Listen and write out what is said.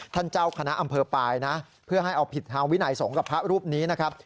เจ้าคณะอำเภอปลายนะเพื่อให้เอาผิดทางวินัยสงฆ์กับพระรูปนี้นะครับ